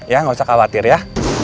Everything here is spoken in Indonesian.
ya nggak usah khawatir ya